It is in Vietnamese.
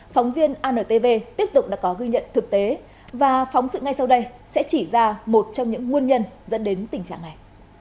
phóng viên antv tiếp tục đã có ghi nhận thực tế và phóng sự ngay sau đây sẽ chỉ ra một trong những nguồn nhân dẫn đến tình trạng này